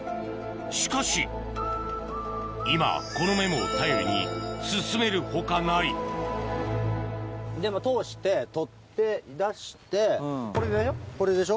しかし今はこのメモを頼りに進めるほかない通して取っ手出してこれでしょこれでしょ。